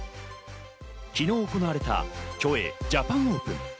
昨日行われた、競泳ジャパンオープン。